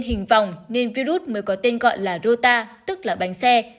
hình vòng nên virus mới có tên gọi là rota tức là bánh xe